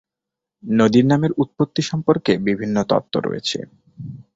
নদীর নামের উৎপত্তি সম্পর্কে বিভিন্ন তত্ত্ব রয়েছে।